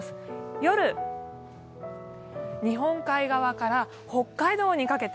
夜、日本海側から北海道にかけて、